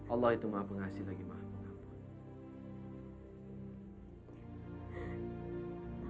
allah itu maaf mengasih lagi maaf mengapa